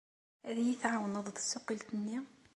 Ad iyi-tɛawneḍ deg tsuqqilt-nni?